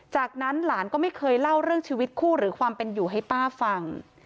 จากนั้นหลานก็ไม่เคยเล่าเรื่องชีวิตคู่หรือความเป็นอยู่ให้ป้าฟัง